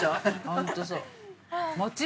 本当そう。